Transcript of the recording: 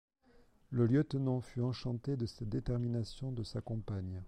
Le lieutenant fut enchanté de cette détermination de sa compagne.